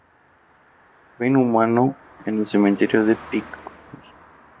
Fue inhumado en el cementerio de Picpus.